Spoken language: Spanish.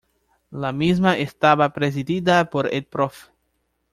La misma estaba presidida por el Prof.